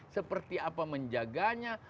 seperti apa menjaganya